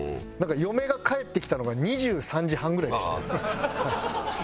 嫁が帰ってきたのが２３時半ぐらいでしたもう。